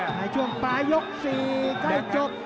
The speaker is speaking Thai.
ในช่วงปลายยก๔ใกล้จบ